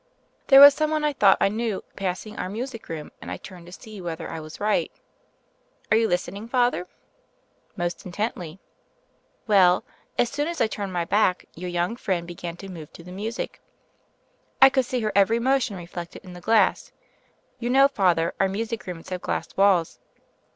There was some one I thought I knew passing our music room, and I turned to see whether I was right. Are you listening. Father?" "Most intently." "Well, as soon as I turned my back, your young friend began to move to the music. I could see her every motion reflected in the glass. You know, Father, our music rooms have glass walls.